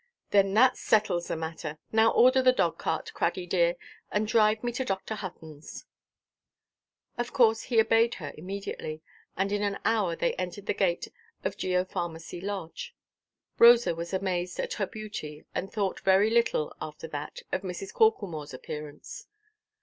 "Then that settles that matter. Now order the dog–cart, Crady dear, and drive me to Dr. Huttonʼs." Of course he obeyed her immediately, and in an hour they entered the gate of Geopharmacy Lodge. Rosa was amazed at her beauty, and thought very little, after that, of Mrs. Corklemoreʼs appearance.